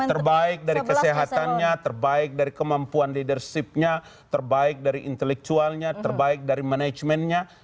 terbaik dari kesehatannya terbaik dari kemampuan leadershipnya terbaik dari intelektualnya terbaik dari manajemennya